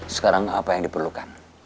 sekarang apa yang diperlukan